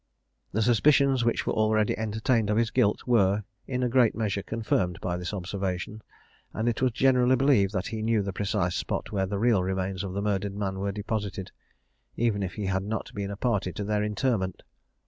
The suspicions which were already entertained of his guilt were, in a great measure, confirmed by this observation; and it was generally believed that he knew the precise spot where the real remains of the murdered man were deposited, even if he had not been a party to their interment.